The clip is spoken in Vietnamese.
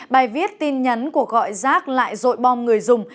bài viết tin nhắn của gọi rác lại rội bom người dùng